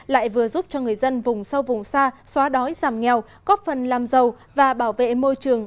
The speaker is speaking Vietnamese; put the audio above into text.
lại vừa giúp cho người dân vùng sâu vùng xa xóa đói giảm nghèo góp phần làm giàu và bảo vệ môi trường